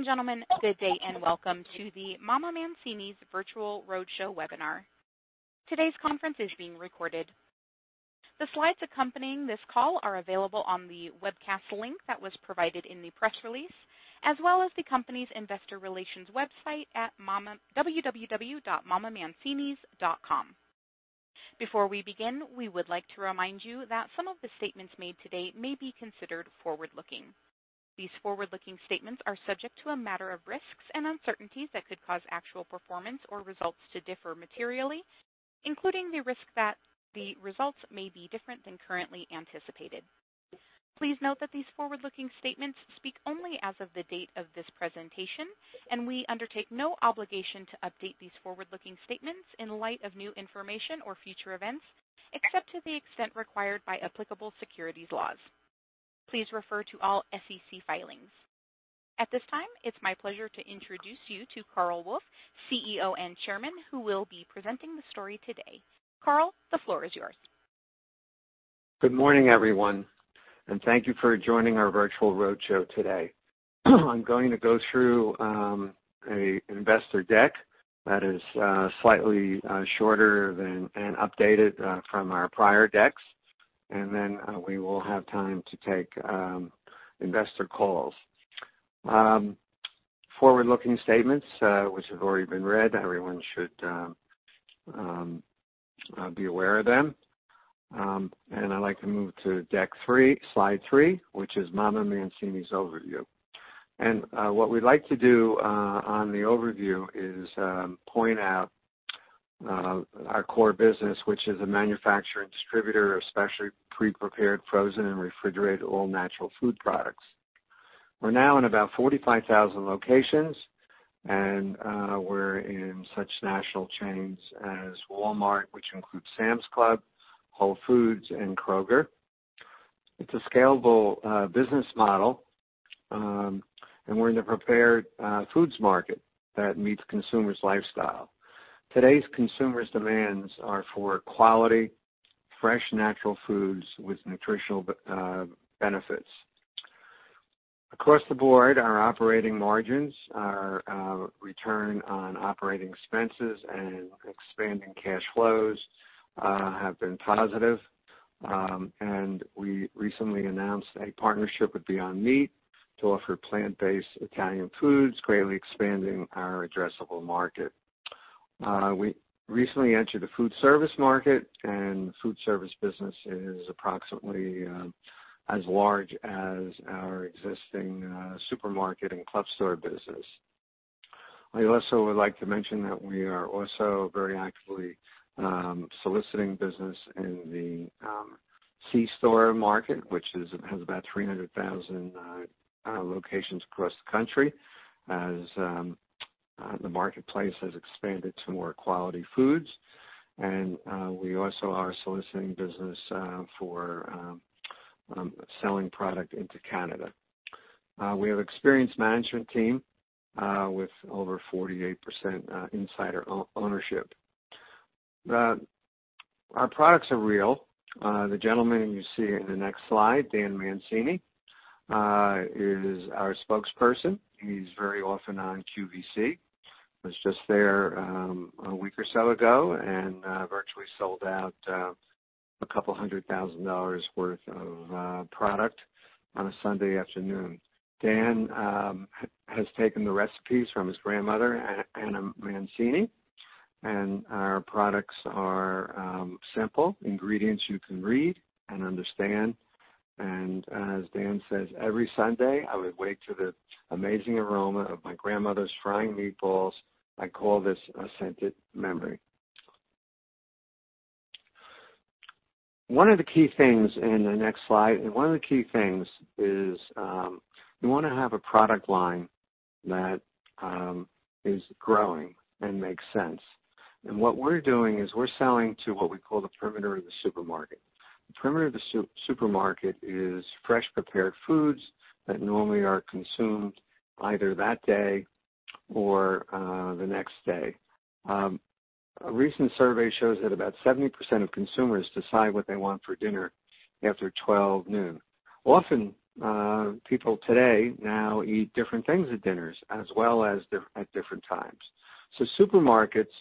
Ladies and gentlemen, good day and welcome to the MamaMancini's Virtual Roadshow webinar. Today's conference is being recorded. The slides accompanying this call are available on the webcast link that was provided in the press release, as well as the company's investor relations website at www.mamamancinis.com. Before we begin, we would like to remind you that some of the statements made today may be considered forward-looking. These forward-looking statements are subject to a number of risks and uncertainties that could cause actual performance or results to differ materially, including the risk that the results may be different than currently anticipated. Please note that these forward-looking statements speak only as of the date of this presentation, and we undertake no obligation to update these forward-looking statements in light of new information or future events, except to the extent required by applicable securities laws. Please refer to all SEC filings. At this time, it's my pleasure to introduce you to Carl Wolf, CEO and Chairman, who will be presenting the story today. Carl, the floor is yours. Good morning, everyone, and thank you for joining our virtual roadshow today. I'm going to go through an investor deck that is slightly shorter and updated from our prior decks, and then we will have time to take investor calls. Forward-looking statements, which have already been read. Everyone should be aware of them. I'd like to move to deck 3, slide 3, which is MamaMancini’s overview. What we'd like to do on the overview is point out our core business, which is a manufacturer and distributor of specially pre-prepared frozen and refrigerated all-natural food products. We're now in about 45,000 locations, and we're in such national chains as Walmart, which includes Sam's Club, Whole Foods, and Kroger. It's a scalable business model, and we're in a prepared foods market that meets consumers' lifestyle. Today's consumers' demands are for quality, fresh natural foods with nutritional benefits. Across the board, our operating margins, our return on operating expenses, and expanding cash flows have been positive. We recently announced a partnership with Beyond Meat to offer plant-based Italian foods, greatly expanding our addressable market. We recently entered the foodservice market, and the food service business is approximately as large as our existing supermarket and club store business. I also would like to mention that we are also very actively soliciting business in the C-store market, which has about 300,000 locations across the country as the marketplace has expanded to more quality foods. We also are soliciting business for selling product into Canada. We have an experienced management team with over 48% insider ownership. Our products are real. The gentleman you see in the next slide, Dan Mancini, is our spokesperson. He's very often on QVC. He was just there a week or so ago and virtually sold out $200,000 worth of product on a Sunday afternoon. Dan has taken the recipes from his grandmother, Anna Mancini, and our products are simple, ingredients you can read and understand. And as Dan says, "Every Sunday, I would wake to the amazing aroma of my grandmother's frying meatballs. I call this a scented memory." One of the key things in the next slide and one of the key things is we want to have a product line that is growing and makes sense. And what we're doing is we're selling to what we call the perimeter of the supermarket. The perimeter of the supermarket is fresh prepared foods that normally are consumed either that day or the next day. A recent survey shows that about 70% of consumers decide what they want for dinner after 12:00 P.M. Often, people today now eat different things at dinners as well as at different times. So supermarkets,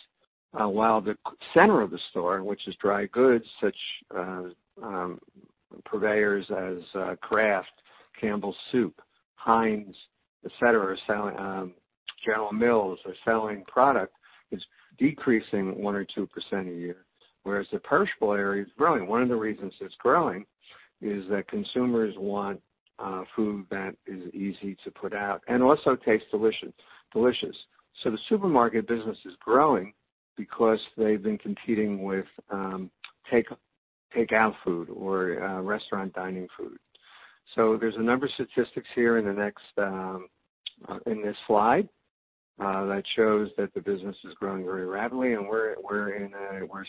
while the center of the store, which is dry goods such as purveyors as Kraft, Campbell's Soup, Heinz, etc., General Mills are selling product, is decreasing 1%-2% a year. Whereas the perishable area is growing. One of the reasons it's growing is that consumers want food that is easy to put out and also tastes delicious. So the supermarket business is growing because they've been competing with takeout food or restaurant dining food. So there's a number of statistics here in this slide that shows that the business is growing very rapidly, and we're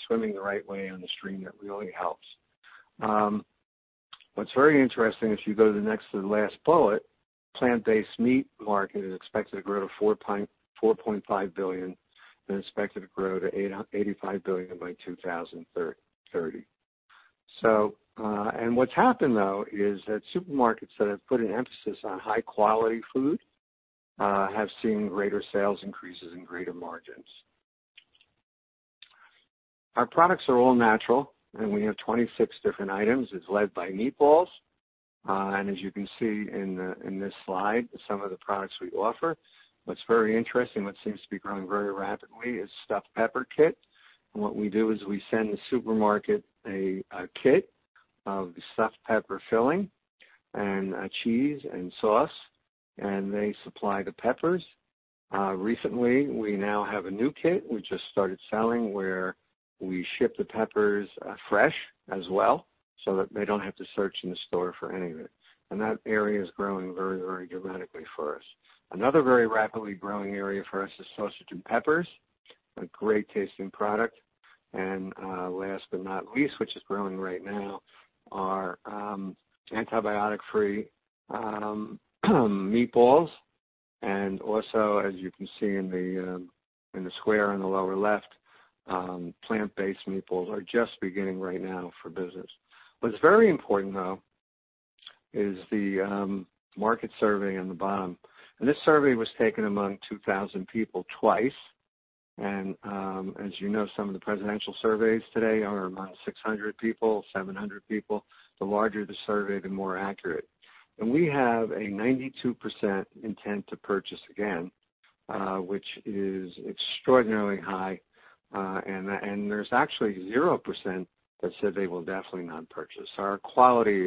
swimming the right way on the stream that really helps. What's very interesting, if you go to the next to the last bullet, the plant-based meat market is expected to grow to $4.5 billion and expected to grow to $85 billion by 2030. And what's happened, though, is that supermarkets that have put an emphasis on high-quality food have seen greater sales increases and greater margins. Our products are all-natural, and we have 26 different items. It's led by meatballs. And as you can see in this slide, some of the products we offer, what's very interesting, what seems to be growing very rapidly is Stuffed Pepper Kit. And what we do is we send the supermarket a kit of the stuffed pepper filling and cheese and sauce, and they supply the peppers. Recently, we now have a new kit we just started selling where we ship the peppers fresh as well so that they don't have to search in the store for any of it. That area is growing very, very dramatically for us. Another very rapidly growing area for us is Sausage and Peppers, a great-tasting product. Last but not least, which is growing right now, are antibiotic-free Meatballs. Also, as you can see in the square on the lower left, plant-based Meatballs are just beginning right now for business. What's very important, though, is the market survey on the bottom. This survey was taken among 2,000 people twice. As you know, some of the presidential surveys today are among 600 people, 700 people. The larger the survey, the more accurate. We have a 92% intent to purchase again, which is extraordinarily high. There's actually 0% that said they will definitely not purchase. Our quality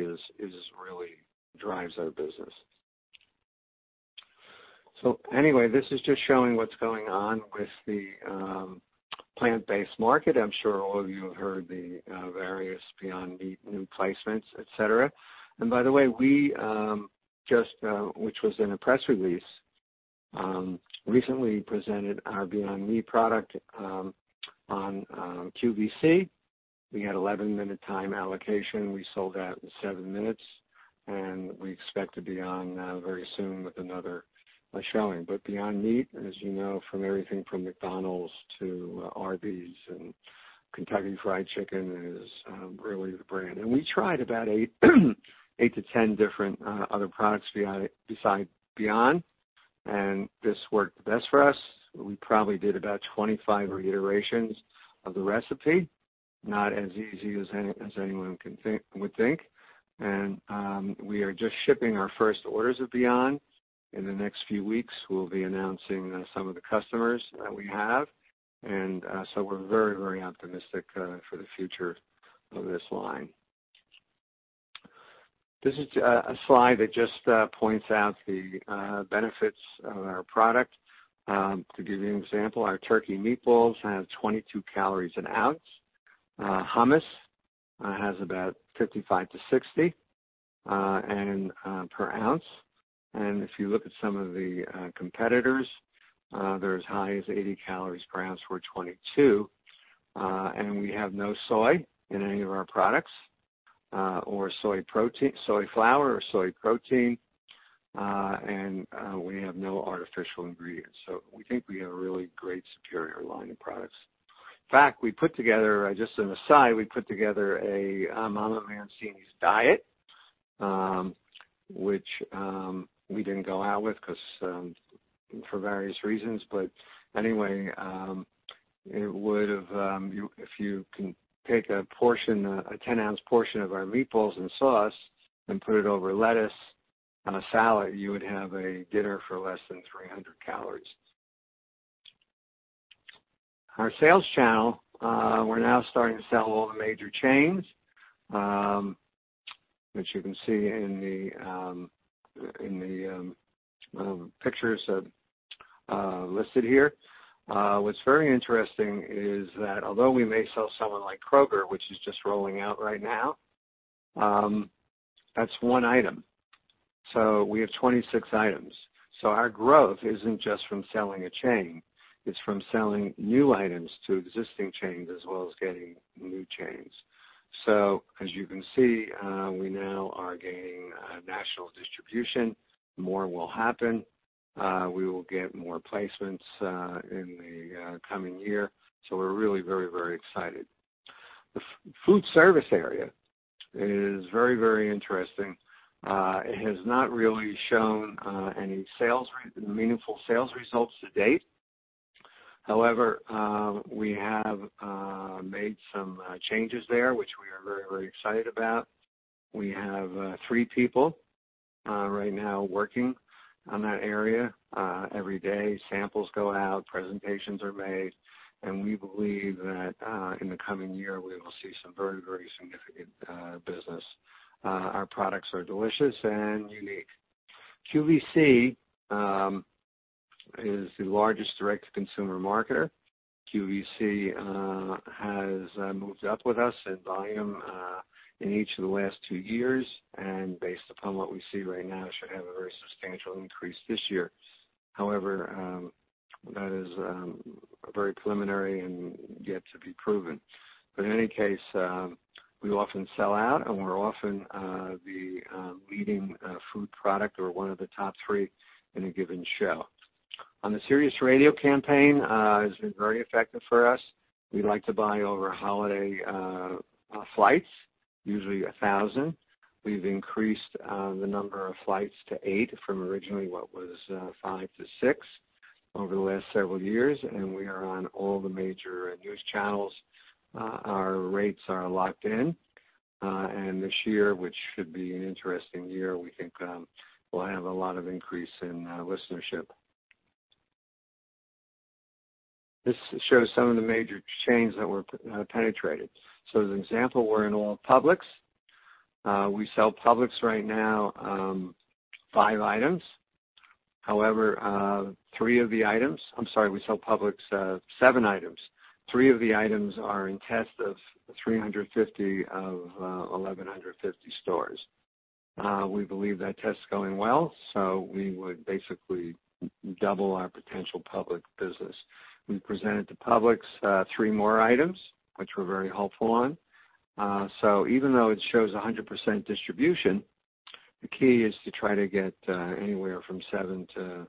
really drives our business. Anyway, this is just showing what's going on with the plant-based market. I'm sure all of you have heard the various Beyond Meat new placements, etc. By the way, we just, which was in a press release, recently presented our Beyond Meat product on QVC. We had 11-minute time allocation. We sold out in 7 minutes, and we expect to be on very soon with another showing. Beyond Meat, as you know from everything from McDonald's to Arby's and Kentucky Fried Chicken, is really the brand. We tried about 8-10 different other products besides Beyond, and this worked the best for us. We probably did about 25 reiterations of the recipe, not as easy as anyone would think. We are just shipping our first orders of Beyond. In the next few weeks, we'll be announcing some of the customers that we have. So we're very, very optimistic for the future of this line. This is a slide that just points out the benefits of our product. To give you an example, our Turkey Meatballs have 22 calories an ounce. Hummus has about 55-60 per ounce. And if you look at some of the competitors, as high as 80 calories per ounce for 22. And we have no soy in any of our products or soy flour or soy protein, and we have no artificial ingredients. So we think we have a really great superior line of products. In fact, we put together just on the side, we put together a MamaMancini’s diet, which we didn't go out with for various reasons. But anyway, it would have if you can take a 10-ounce portion of our meatballs and sauce and put it over lettuce on a salad, you would have a dinner for less than 300 calories. Our sales channel, we're now starting to sell all the major chains, which you can see in the pictures listed here. What's very interesting is that although we may sell someone like Kroger, which is just rolling out right now, that's one item. So we have 26 items. So our growth isn't just from selling a chain. It's from selling new items to existing chains as well as getting new chains. So as you can see, we now are gaining national distribution. More will happen. We will get more placements in the coming year. So we're really very, very excited. The food service area is very, very interesting. It has not really shown any meaningful sales results to date. However, we have made some changes there, which we are very, very excited about. We have three people right now working on that area. Every day, samples go out, presentations are made, and we believe that in the coming year, we will see some very, very significant business. Our products are delicious and unique. QVC is the largest direct-to-consumer marketer. QVC has moved up with us in volume in each of the last two years and, based upon what we see right now, should have a very substantial increase this year. However, that is very preliminary and yet to be proven. But in any case, we often sell out, and we're often the leading food product or one of the top three in a given show. On the Sirius Radio campaign, it's been very effective for us. We like to buy over holiday flights, usually 1,000. We've increased the number of flights to eight from originally what was five to six over the last several years, and we are on all the major news channels. Our rates are locked in. This year, which should be an interesting year, we think we'll have a lot of increase in listenership. This shows some of the major chains that we've penetrated. So as an example, we're in all Publix. We sell Publix right now five items. However, three of the items. I'm sorry, we sell Publix seven items. Three of the items are in test of 350 of 1,150 stores. We believe that test's going well, so we would basically double our potential Publix business. We presented to Publix three more items, which we're very hopeful on. So even though it shows 100% distribution, the key is to try to get anywhere from 7-12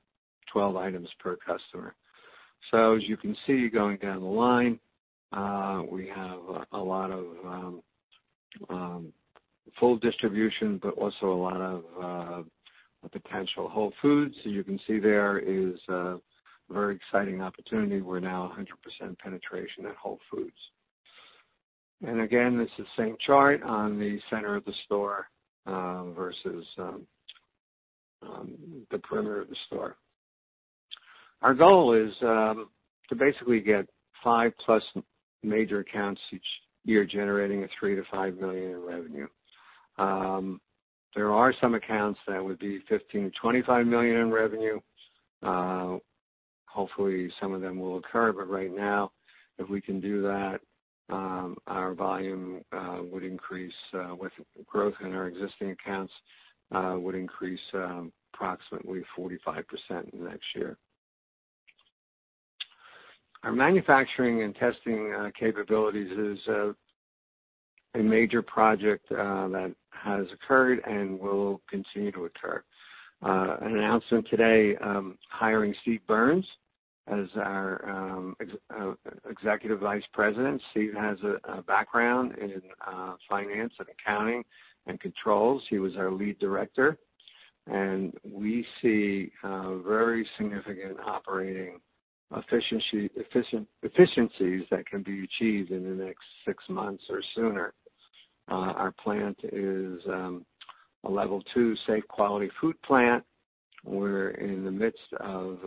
items per customer. So as you can see, going down the line, we have a lot of full distribution but also a lot of potential Whole Foods. So you can see there is a very exciting opportunity. We're now 100% penetration at Whole Foods. And again, this is the same chart on the center of the store versus the perimeter of the store. Our goal is to basically get 5+ major accounts each year generating a $3 million-$5 million in revenue. There are some accounts that would be $15 million-$25 million in revenue. Hopefully, some of them will occur, but right now, if we can do that, our volume would increase with growth in our existing accounts would increase approximately 45% in the next year. Our manufacturing and testing capabilities is a major project that has occurred and will continue to occur. An announcement today: hiring Steve Burns as our Executive Vice President. Steve has a background in finance and accounting and controls. He was our lead director. And we see very significant operating efficiencies that can be achieved in the next six months or sooner. Our plant is a Level 2 Safe Quality Food plant. We're in the midst of,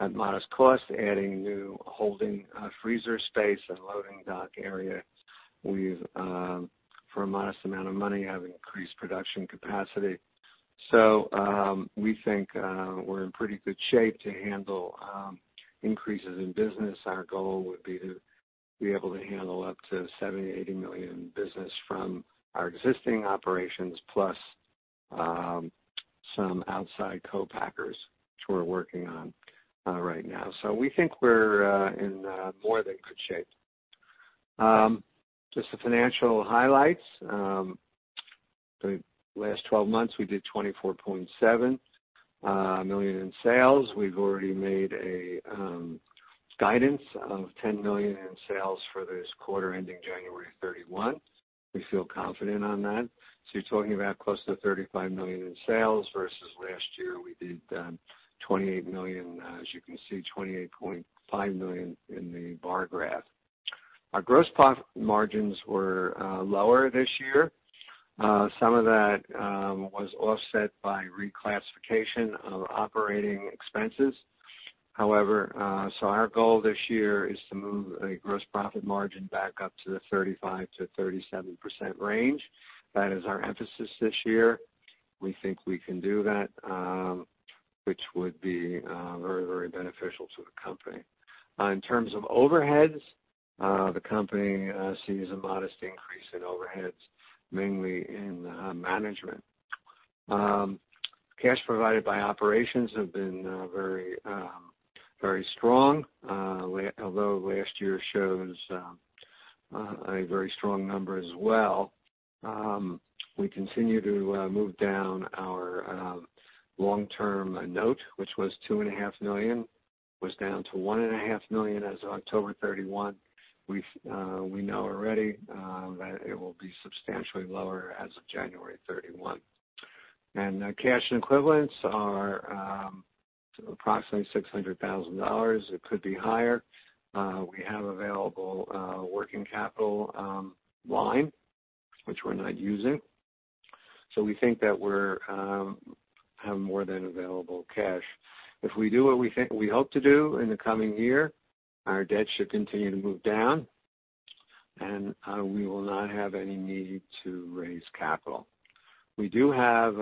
at modest cost, adding new holding freezer space and loading dock area. For a modest amount of money, I've increased production capacity. So we think we're in pretty good shape to handle increases in business. Our goal would be to be able to handle up to $70 million-$80 million in business from our existing operations plus some outside co-packers which we're working on right now. So we think we're in more than good shape. Just the financial highlights: the last 12 months, we did $24.7 million in sales. We've already made a guidance of $10 million in sales for this quarter ending January 31. We feel confident on that. So you're talking about close to $35 million in sales versus last year we did $28 million. As you can see, $28.5 million in the bar graph. Our gross profit margins were lower this year. Some of that was offset by reclassification of operating expenses. However, so our goal this year is to move a gross profit margin back up to the 35%-37% range. That is our emphasis this year. We think we can do that, which would be very, very beneficial to the company. In terms of overhead, the company sees a modest increase in overhead, mainly in management. Cash provided by operations has been very, very strong, although last year shows a very strong number as well. We continue to move down our long-term note, which was $2.5 million, was down to $1.5 million as of October 31, 2021. We know already that it will be substantially lower as of January 31, 2022. And cash and equivalents are approximately $600,000. It could be higher. We have available working capital line, which we're not using. So we think that we have more than available cash. If we do what we hope to do in the coming year, our debt should continue to move down, and we will not have any need to raise capital. We do have,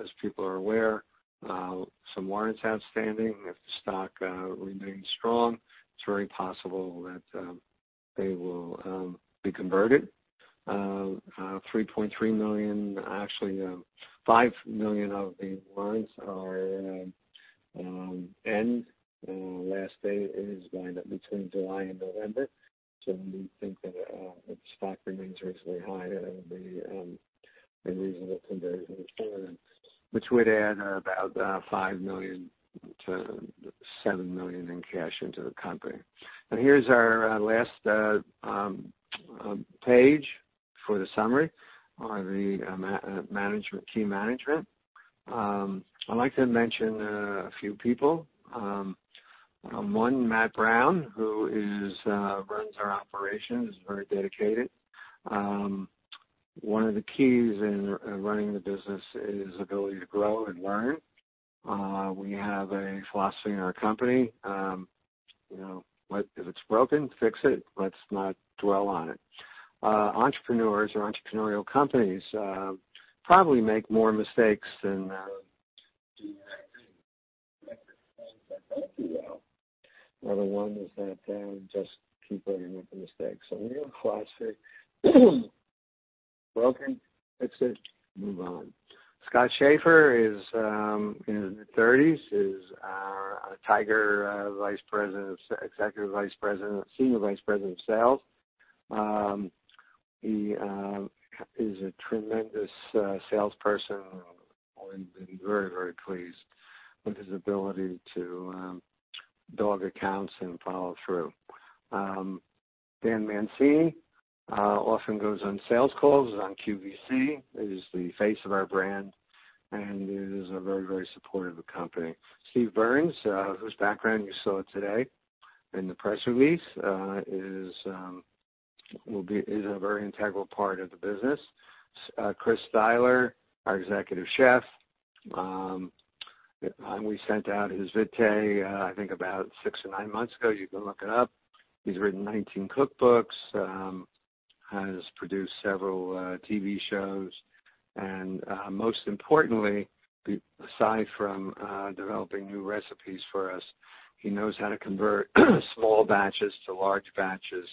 as people are aware, some warrants outstanding. If the stock remains strong, it's very possible that they will be converted. $3.3 million actually, 5 million of the warrants are end. Last date is lined up between July and November. So we think that if the stock remains reasonably high, that would be a reasonable conversion to $7, which would add about $5 million-$7 million in cash into the company. And here's our last page for the summary on the key management. I'd like to mention a few people. One, Matt Brown, who runs our operations, is very dedicated. One of the keys in running the business is ability to grow and learn. We have a philosophy in our company: if it's broken, fix it. Let's not dwell on it. Entrepreneurs or entrepreneurial companies probably make more mistakes than do the right thing. The other one is that just keep learning with the mistakes. So we have a philosophy: broken, fix it, move on. Scott Scheffer is in his 30s, is our Executive Vice President of Sales. He is a tremendous salesperson and been very, very pleased with his ability to dog accounts and follow through. Dan Mancini often goes on sales calls. He's on QVC. He's the face of our brand, and he is a very, very supportive of the company. Steve Burns, whose background you saw today in the press release, is a very integral part of the business. Chris Styler, our Executive Chef, we sent out his bio, I think, about 6 or 9 months ago. You can look it up. He's written 19 cookbooks, has produced several TV shows, and most importantly, aside from developing new recipes for us, he knows how to convert small batches to large batches.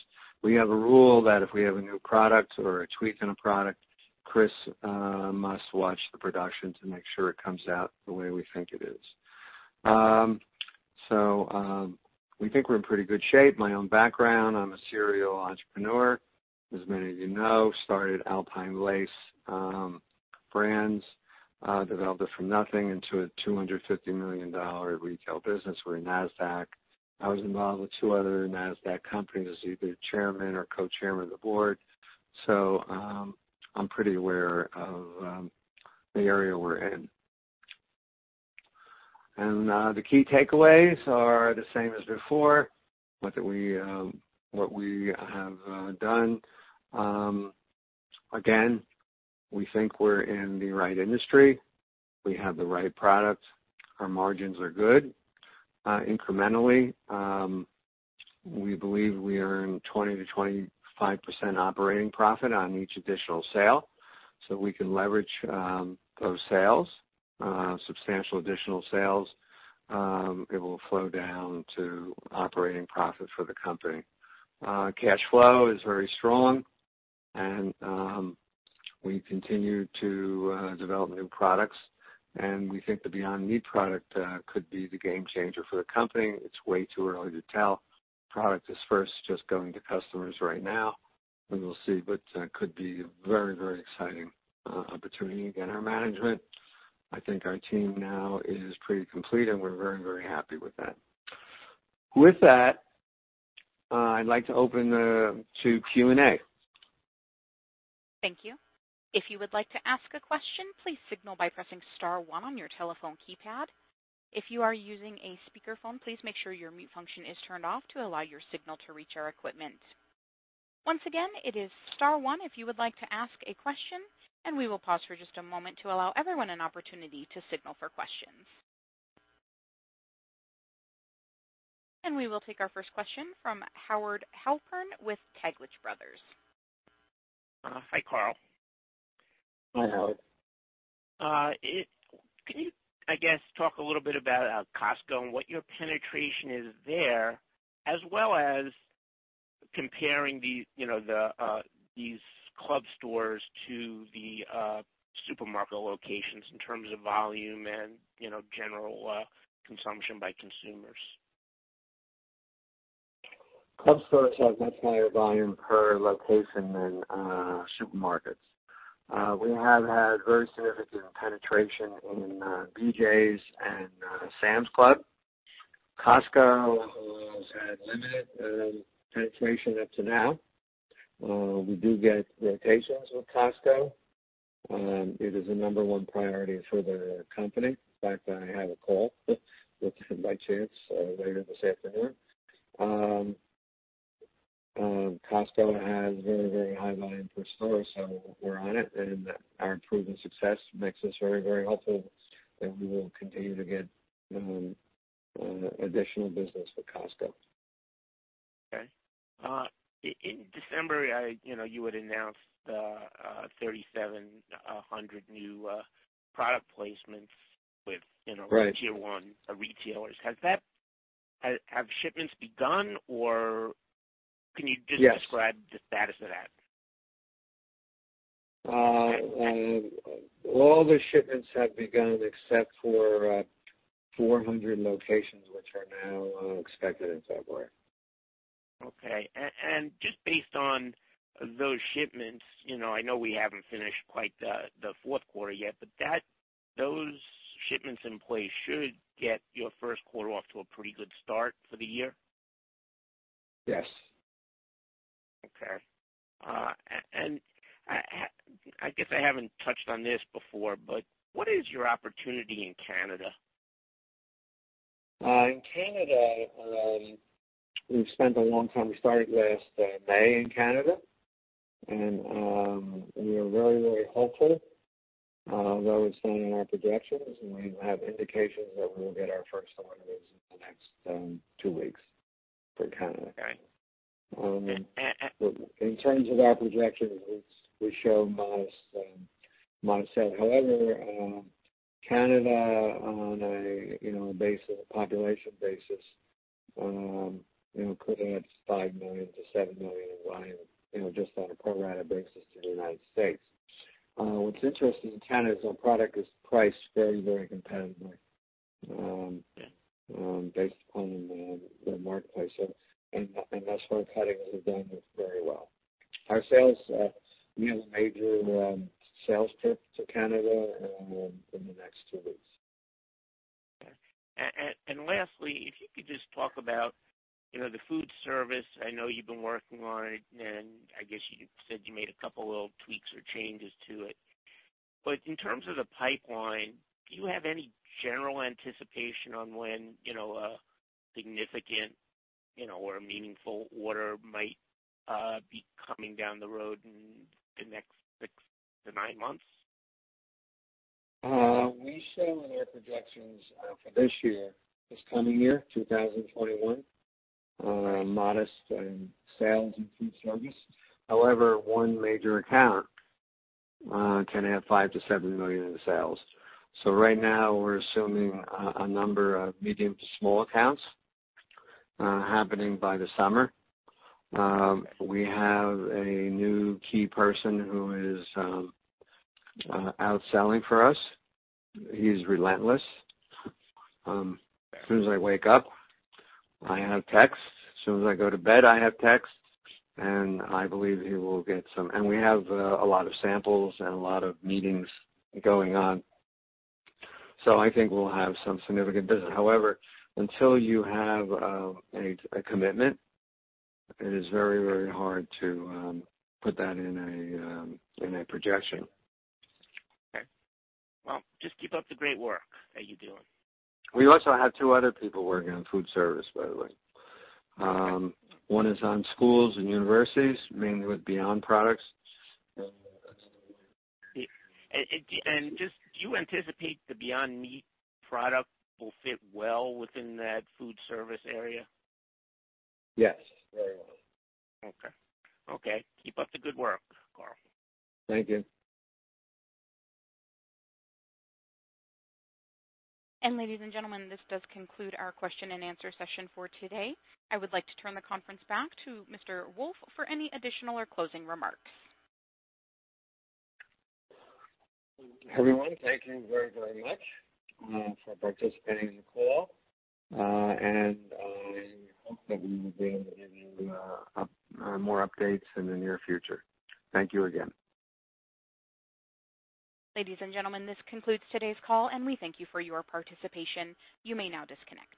We have a rule that if we have a new product or a tweak in a product, Chris must watch the production to make sure it comes out the way we think it is. So we think we're in pretty good shape. My own background: I'm a serial entrepreneur, as many of you know. Started Alpine Lace Brands, developed it from nothing into a $250 million retail business. We're a NASDAQ. I was involved with 2 other NASDAQ companies as either chairman or co-chairman of the board. So I'm pretty aware of the area we're in. And the key takeaways are the same as before, what we have done. Again, we think we're in the right industry. We have the right product. Our margins are good incrementally. We believe we earn 20%-25% operating profit on each additional sale. So we can leverage those sales, substantial additional sales. It will flow down to operating profit for the company. Cash flow is very strong, and we continue to develop new products. We think the Beyond Meat product could be the game changer for the company. It's way too early to tell. Product is first just going to customers right now. We will see, but could be a very, very exciting opportunity. Again, our management, I think our team now is pretty complete, and we're very, very happy with that. With that, I'd like to open to Q&A. Thank you. If you would like to ask a question, please signal by pressing star 1 on your telephone keypad. If you are using a speakerphone, please make sure your mute function is turned off to allow your signal to reach our equipment. Once again, it is star 1 if you would like to ask a question, and we will pause for just a moment to allow everyone an opportunity to signal for questions. We will take our first question from Howard Halpern with Taglich Brothers. Hi, Carl. Hi, Howard. Can you, I guess, talk a little bit about Costco and what your penetration is there, as well as comparing these club stores to the supermarket locations in terms of volume and general consumption by consumers? Club stores have much higher volume per location than supermarkets. We have had very significant penetration in BJ's and Sam's Club. Costco has had limited penetration up to now. We do get rotations with Costco. It is a number one priority for the company. In fact, I have a call with them by chance later this afternoon. Costco has very, very high volume per store, so we're on it, and our proven success makes us very, very hopeful that we will continue to get additional business with Costco. Okay. In December, you had announced 3,700 new product placements with tier one retailers. Have shipments begun, or can you just describe the status of that? All the shipments have begun except for 400 locations, which are now expected in February. Okay. Just based on those shipments, I know we haven't finished quite the fourth quarter yet, but those shipments in place should get your first quarter off to a pretty good start for the year? Yes. Okay. I guess I haven't touched on this before, but what is your opportunity in Canada? In Canada, we've spent a long time. We started last May in Canada, and we are very, very hopeful. That was found in our projections, and we have indications that we will get our first orders in the next 2 weeks for Canada. Okay. And. In terms of our projections, we show modest sales. However, Canada, on a population basis, could add 5 million-7 million in volume just on a pro-rata basis to the United States. What's interesting in Canada is our product is priced very, very competitively based upon the marketplace, and thus for cuttings, it's done very well. We have a major sales trip to Canada in the next 2 weeks. Okay. And lastly, if you could just talk about the food service. I know you've been working on it, and I guess you said you made a couple little tweaks or changes to it. But in terms of the pipeline, do you have any general anticipation on when a significant or meaningful order might be coming down the road in the next 6-9 months? We show in our projections for this year, this coming year, 2021, modest sales in food service. However, one major account can add $5 million-$7 million in sales. So right now, we're assuming a number of medium to small accounts happening by the summer. We have a new key person who is selling for us. He's relentless. As soon as I wake up, I have texts. As soon as I go to bed, I have texts, and I believe he will get some and we have a lot of samples and a lot of meetings going on. So I think we'll have some significant business. However, until you have a commitment, it is very, very hard to put that in a projection. Okay. Well, just keep up the great work that you're doing. We also have two other people working on food service, by the way. One is on schools and universities, mainly with Beyond products. Do you anticipate the Beyond Meat product will fit well within that food service area? Yes, very well. Okay. Okay. Keep up the good work, Carl. Thank you. Ladies and gentlemen, this does conclude our question-and-answer session for today. I would like to turn the conference back to Mr. Wolf for any additional or closing remarks. Everyone, thank you very, very much for participating in the call, and I hope that we will be able to give you more updates in the near future. Thank you again. Ladies and gentlemen, this concludes today's call, and we thank you for your participation. You may now disconnect.